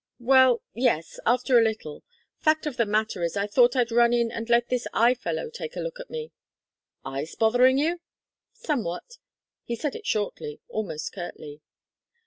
"Well, yes, after a little. Fact of the matter is I thought I'd run in and let this eye fellow take a look at me." "Eyes bothering you?" "Somewhat." He said it shortly, almost curtly.